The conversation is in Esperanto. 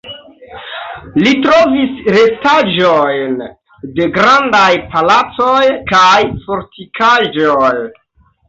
Li trovis restaĵojn de grandaj palacoj kaj fortikaĵoj.